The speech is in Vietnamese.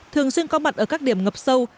thường xuyên có mặt ở các điểm ngập sâu